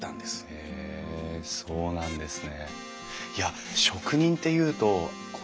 へえそうなんですね。